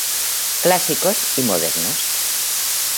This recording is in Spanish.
Clásicos y modernos".